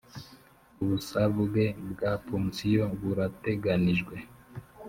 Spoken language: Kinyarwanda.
ubusabwe bwa pansiyo burateganijwe